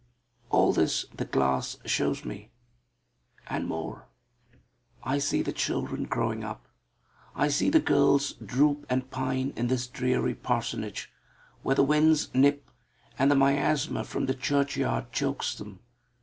All this the glass shows me, and more. I see the children growing up. I see the girls droop and pine in this dreary parsonage, where the winds nip, and the miasma from the churchyard chokes them.